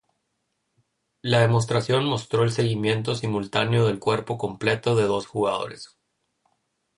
La demostración mostró el seguimiento simultáneo del cuerpo completo de dos jugadores.